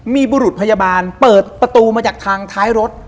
มีบุรุษพยาบาลเปิดประตูมาจากทางท้ายรถ